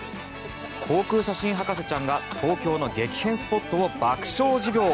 航空写真博士ちゃんが東京の激変スポットを爆笑授業。